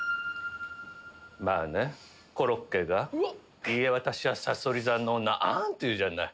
まぁねコロッケが「いいえ私はさそり座の女アン！」って言うじゃない。